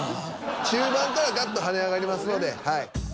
中盤からガッと跳ね上がりますので。